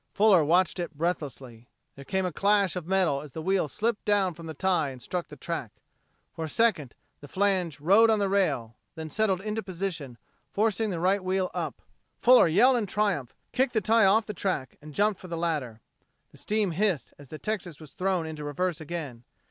Fuller watched it breathlessly. There came a clash of metal as the wheel slipped down from the tie and struck the track. For a second the flange rode on the rail, then settled into position, forcing the right wheel up. Fuller yelled in triumph, kicked the tie off the track, and jumped for the ladder. The steam hissed as the Texas was thrown into reverse again.